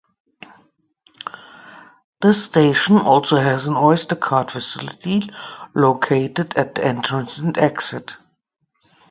This station also has an Oyster card facility located at the entrance and exit.